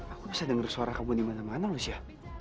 aku bisa dengar suara kamu dimana mana lucia